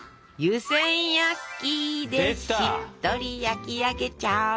「湯せん焼き」でしっとり焼き上げちゃう。